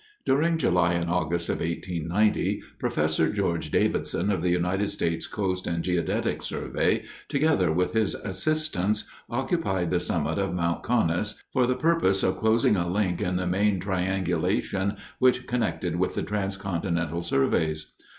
During July and August, of 1890, Professor George Davidson of the United States Coast and Geodetic Survey, together with his assistants, occupied the summit of Mount Conness for the purpose of closing a link in the main triangulation which connected with the transcontinental surveys.